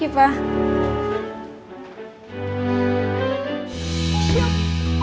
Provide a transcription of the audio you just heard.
perasaan cuma ke cafe doang